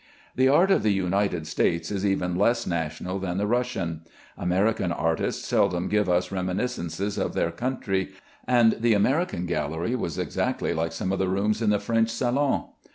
The art of the United States is even less national than the Russian. American artists seldom give us reminiscences of their country, and the American gallery was exactly like some of the rooms in the French Salon.